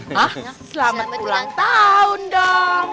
hah selamat ulang tahun dong